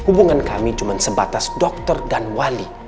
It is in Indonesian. hubungan kami cuma sebatas dokter dan wali